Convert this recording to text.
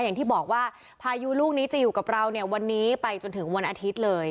อย่างที่บอกว่าพายุลูกนี้จะอยู่กับเราเนี่ยวันนี้ไปจนถึงวันอาทิตย์เลย